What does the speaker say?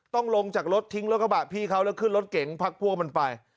ลงจากรถทิ้งรถกระบะพี่เขาแล้วขึ้นรถเก๋งพักพวกมันไป